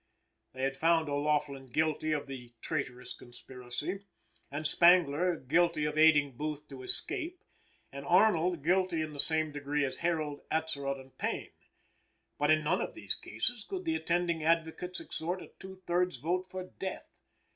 They had found O'Laughlin guilty of the "traitorous conspiracy," and Spangler guilty of aiding Booth to escape, and Arnold guilty in the same degree as Herold, Atzerodt and Payne, but in none of these cases could the attending advocates extort a two thirds vote for death.